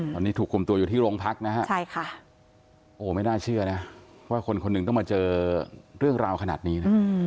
ตอนนี้ถูกคุมตัวอยู่ที่โรงพักนะฮะโอ้ไม่น่าเชื่อนะว่าคนคนหนึ่งต้องมาเจอเรื่องราวขนาดนี้นะ